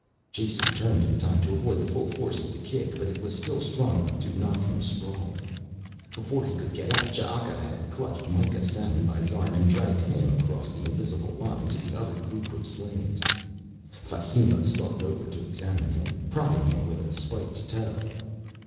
Jason turned in time to avoid the full force of the kick, but it was still strong enough to knock him sprawling. Before he could get up Ch'aka had clutched Mikah Samon by the arm and dragged him across the invisible line to the other group of slaves. Fasimba stalked over to examine him, prodding him with a spiked toe.